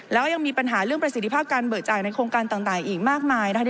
แล้วยังมีปัญหาเรื่องประสิทธิภาพการเบิกจ่ายในโครงการต่างอีกมากมายนะคะ